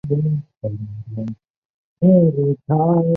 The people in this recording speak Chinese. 因纽维克专区是加拿大西北地区五个行政专区之一。